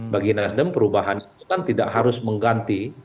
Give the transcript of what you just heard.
bagi nasdem perubahan itu kan tidak harus mengganti